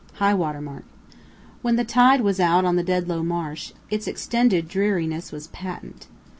HIGH WATER MARK When the tide was out on the Dedlow Marsh, its extended dreariness was patent.